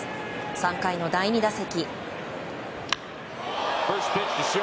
３回の第２打席。